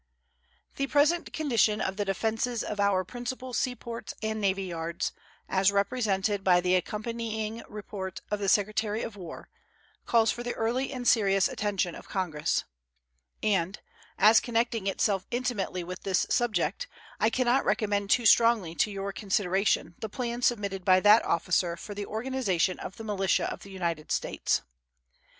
The present condition of the defenses of our principal seaports and navy yards, as represented by the accompanying report of the Secretary of War, calls for the early and serious attention of Congress; and, as connecting itself intimately with this subject, I can not recommend too strongly to your consideration the plan submitted by that officer for the organization of the militia of the United States.